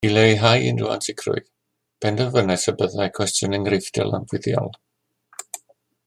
I leihau unrhyw ansicrwydd, penderfynais y byddai cwestiwn enghreifftiol yn fuddiol